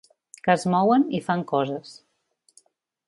Que es mouen i fan coses.